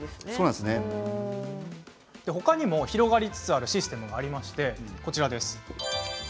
ほかにも広がりつつあるシステムがあります。